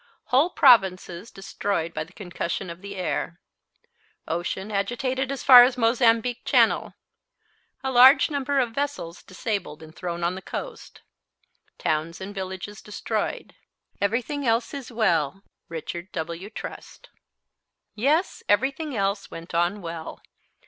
Whole provinces destroyed by the concussion of the air. Ocean agitated as far as the Mozambique channel. A large number of vessels disabled and thrown on the coast. Towns and villages destroyed. Everything else is well. RICHARD W. TRUST." Yes, everything else went on well.